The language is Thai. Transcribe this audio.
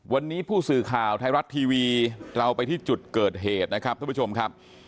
วันนี้ผู้สื่อข่าวไทยรัฐทีวีเราไปที่จุดเกิดเหตุนะครับทุกผู้ชมครับ